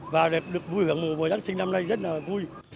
và được vui hưởng bởi giáng sinh năm nay rất là vui